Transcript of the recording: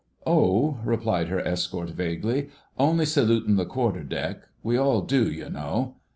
"Oh," replied her escort vaguely, "only salutin' the Quarter deck. We all do, you know."